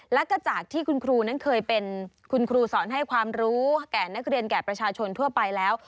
แล้วก็จากที่คุณครูนั้นเคยเป็นคุณครูสอนให้ความรู้แก่นักเรียนแก่ประชาชนทั่วไปแล้ว